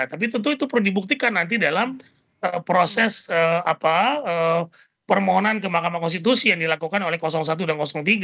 tapi tentu itu perlu dibuktikan nanti dalam proses permohonan ke mahkamah konstitusi yang dilakukan oleh satu dan tiga